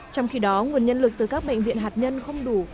trong khi đó nguồn nhân lực từ các bệnh viện hạt nhân không đủ